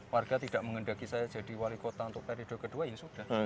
warga tidak mengendaki saya jadi wali kota untuk periode kedua ya sudah